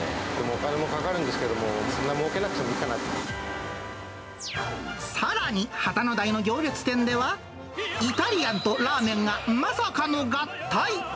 お金もかかるんですけども、さらに旗の台の行列店では、イタリアンとラーメンがまさかの合体。